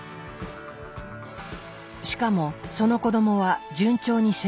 しかもその子供は順調に成長。